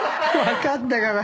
分かったから。